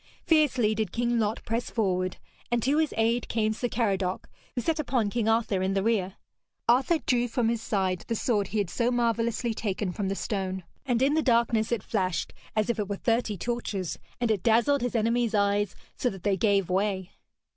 Fiercely did King Lot press forward, and to his aid came Sir Caradoc, who set upon King Arthur in the rear. Arthur drew from his side the sword he had so marvellously taken from the stone, and in the darkness it flashed as if it were thirty torches, and it dazzled his enemies' eyes, so that they gave way.